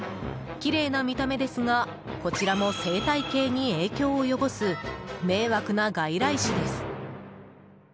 きれいな見た目ですがこちらも生態系に影響を及ぼす迷惑な外来種です。